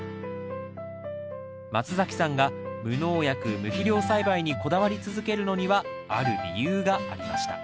松崎さんが無農薬・無肥料栽培にこだわり続けるのにはある理由がありました